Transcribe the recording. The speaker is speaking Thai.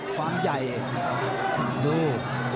ความใยดู